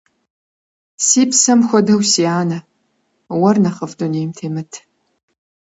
Си псэм хуэдэу сэ си анэ, уэр нэхъыфӀ дунейм темыт.